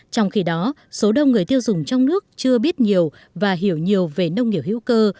trong khi đó số đông người tiêu dùng trong nước chưa biết nhiều và hiểu nhiều về nông nghiệp hữu cơ